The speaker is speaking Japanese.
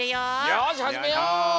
よしはじめよう！